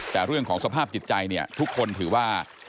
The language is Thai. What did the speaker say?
แต่เรื่องของสภาพจิตใจเนี่ยทุกคนถือว่า